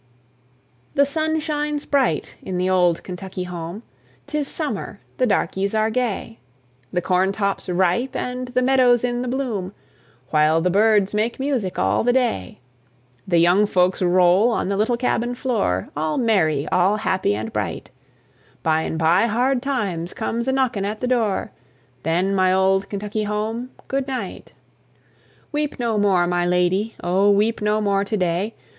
The sun shines bright in the old Kentucky home; 'Tis summer, the darkeys are gay; The corn top's ripe, and the meadow's in the bloom, While the birds make music all the day. The young folks roll on the little cabin floor, All merry, all happy and bright; By 'n' by hard times comes a knocking at the door: Then my old Kentucky home, good night! Weep no more, my lady, O, weep no more to day!